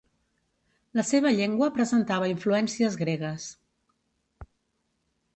La seva llengua presentava influències gregues.